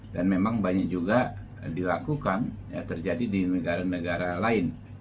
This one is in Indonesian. dan memang banyak juga dilakukan terjadi di negara negara lain